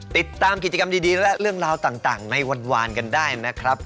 ติดตามกิจกรรมดีและเรื่องราวต่างในวันกันได้นะครับ